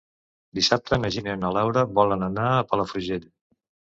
Dissabte na Gina i na Laura volen anar a Palafrugell.